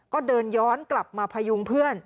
ก็เดินย้อนกลับมาพยุงเพื่อน